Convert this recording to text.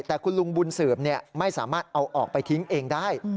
แต่คุณลุงบุญสืบไม่สามารถเอาออกไปทิ้งเองได้